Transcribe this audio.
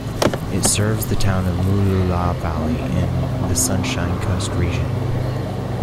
It serves the town of Mooloolah Valley in the Sunshine Coast Region.